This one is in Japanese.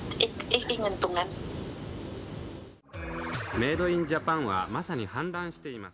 メード・イン・ジャパンはまさに氾濫しています。